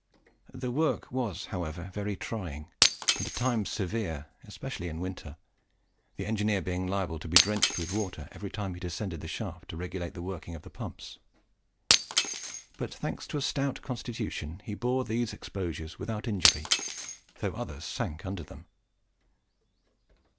The work was, however, very trying, and at times severe, especially in winter, the engineer being liable to be drenched with water every time that he descended the shaft to regulate the working of the pumps; but, thanks to a stout constitution, he bore through these exposures without injury, though others sank under them.